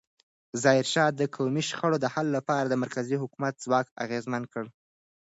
ظاهرشاه د قومي شخړو د حل لپاره د مرکزي حکومت ځواک اغېزمن کړ.